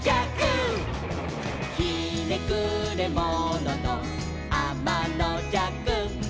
「ひねくれもののあまのじゃく」